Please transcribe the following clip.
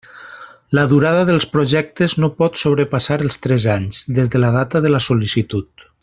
La durada dels projectes no pot sobrepassar els tres anys, des de la data de la sol·licitud.